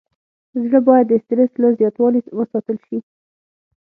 زړه باید د استرس له زیاتوالي وساتل شي.